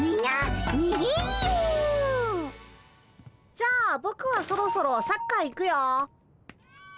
じゃあぼくはそろそろサッカー行くよ。